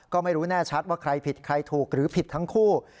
ก็ไม่รู้แน่ชัดว่าใครผิดใครถูกหรือผิดทั้งคู่